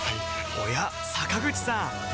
おや坂口さん